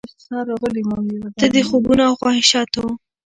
ته د خوبونو او خواهشاتو،